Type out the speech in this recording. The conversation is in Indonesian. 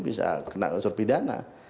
bisa kena unsur pidana